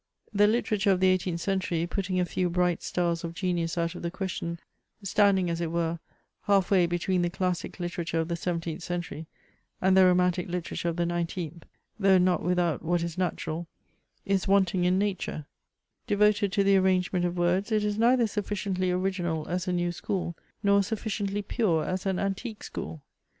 The literature of the eighteenth century, putting a few bright stars of genius out of the question, standing, as it were, half way between the classic literature of the seventeenth century and the romantic literature of the nineteenth, though not without what is natural, is wanting in nature ; devoted to the arrangement of words, it is neither sufficiently original as a new school, nor suffi ciently pure as an antique school.